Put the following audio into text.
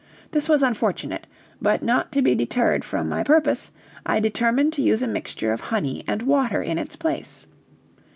This was unfortunate; but not to be deterred from my purpose, I determined to use a mixture of honey and water in its place.